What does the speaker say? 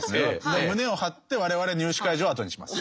胸を張って我々入試会場を後にします。